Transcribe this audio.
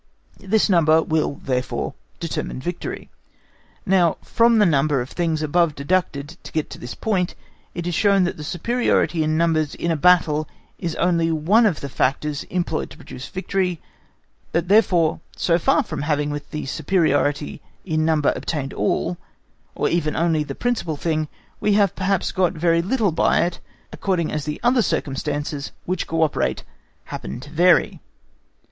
This number will therefore determine victory. Now from the number of things above deducted to get to this point, it is shown that the superiority in numbers in a battle is only one of the factors employed to produce victory that therefore so far from having with the superiority in number obtained all, or even only the principal thing, we have perhaps got very little by it, according as the other circumstances which co operate happen to vary.